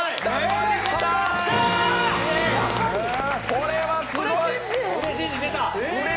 これはすごい！